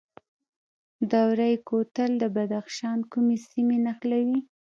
دوره کوتل د بدخشان کومې سیمې نښلوي؟